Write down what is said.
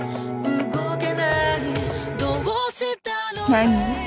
何？